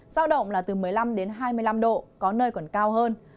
giao động là từ một mươi năm đến hai mươi năm độ có nơi còn cao hơn